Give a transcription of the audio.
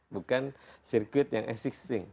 bukan circuit yang existing